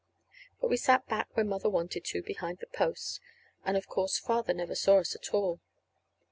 But we sat back where Mother wanted to, behind the post. And, of course, Father never saw us at all.